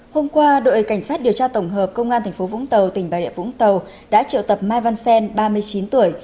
hôm qua đội cảnh sát điều tra tổng hợp công an tp vũng tàu tỉnh bà rịa vũng tàu đã triệu tập mai văn sen ba mươi chín tuổi